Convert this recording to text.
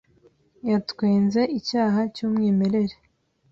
Yatwenze icyaha cy'umwimerere.